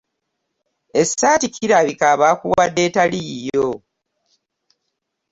Essaati kirabika bakuwadde etali yiyo.